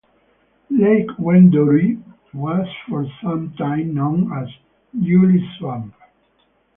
Lake Wendouree was for some time known as "Yuille's Swamp".